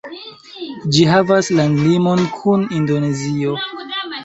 Ĝi havas landlimon kun Indonezio.